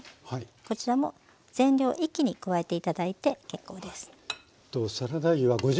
こちらも全量一気に加えて頂いて結構です。